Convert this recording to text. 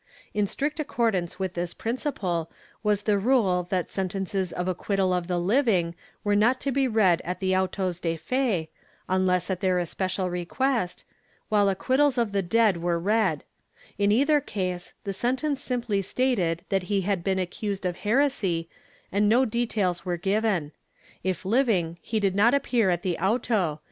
^ In strict accordance with this principle was the rule that sentences of acquittal of the living were not to be read at the autos de fe, unless at their especial request, while acquittals of the dead were read ; in either case, the sentence simply stated that he had been accused of heresy and no details were given ; if living he did not appear at the auto and if dead there ' Carbonell de Gestis Hsereticor.